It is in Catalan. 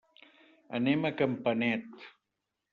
Anem a Campanet.